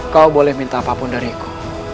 kau boleh minta apapun dariku